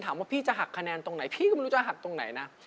พี่จะหักคะแนนตรงไหนพี่ก็ไม่รู้จะหักตรงไหนนะ